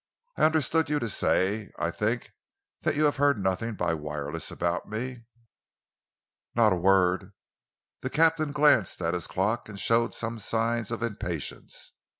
I understood you to say, I think, that you have heard nothing by wireless about me?" "Not a word." The captain glanced at his clock and showed some signs of impatience.